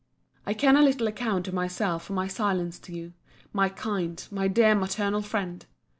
I can a little account to myself for my silence to you, my kind, my dear maternal friend!